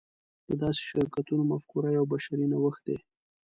د داسې شرکتونو مفکوره یو بشري نوښت دی.